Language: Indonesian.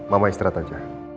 mama istirahat aja